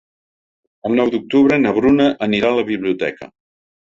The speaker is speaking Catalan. El nou d'octubre na Bruna anirà a la biblioteca.